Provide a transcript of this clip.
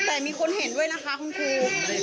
แต่มีคนเห็นด้วยนะคะคุณครู